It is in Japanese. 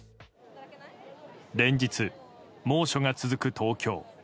連日、猛暑が続く東京。